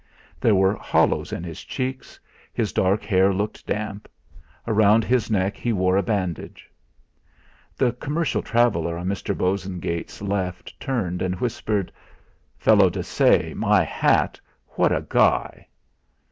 There were hollows in his cheeks, his dark hair looked damp; around his neck he wore a bandage. The commercial traveller on Mr. Bosengate's left turned, and whispered: "Felo de se! My hat! what a guy!"